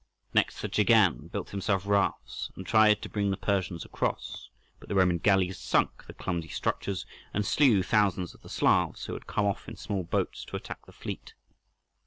Next the Chagan built himself rafts and tried to bring the Persians across, but the Roman galleys sunk the clumsy structures, and slew thousands of the Slavs who had come off in small boats to attack the fleet.